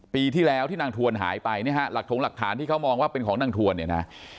ปีที่แล้วที่นางถวนหายไปหลักฐงหลักฐานที่เขามองว่าเป็นของนางถวน